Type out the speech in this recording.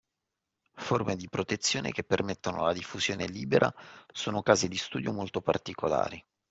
Forme di protezione che permettano la diffusione libera sono casi di studio molto particolari.